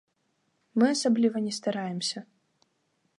Мы асабліва не стараемся.